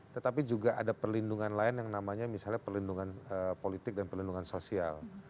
tetapi juga ada perlindungan lain yang namanya misalnya perlindungan politik dan perlindungan sosial